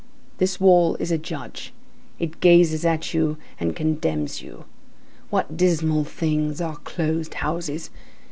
This wall is a judge. It gazes at you and condemns you. What dismal things are closed houses.